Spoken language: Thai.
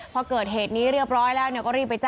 พอเกิดเหตุนี้เรียบร้อยแล้วก็รีบไปแจ้ง